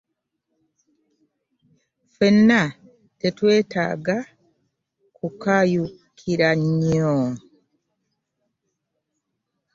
ffenna tetwetaaga kukaayuukira nnyo